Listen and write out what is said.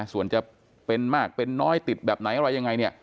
ส่วนจะเป็นมากเป็นน้อยติดแบบไหนอะไรยังไงเนี่ย